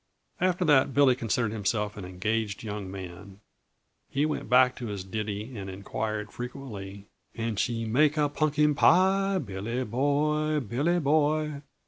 After that, Billy considered himself an engaged young man. He went back to his ditty and inquired frequently: "Can she make a punkin pie, Billy boy, Billy Boy?"